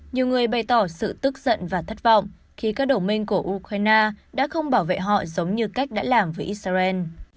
nhiều người bày tỏ sự tức giận và thất vọng khi các đồng minh của ukraine đã không bảo vệ họ giống như cách đã làm với israel